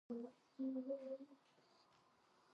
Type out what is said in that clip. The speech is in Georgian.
მთავარი შენაკადია ბაკურხევი.